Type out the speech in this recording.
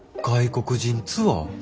外国人ツアー？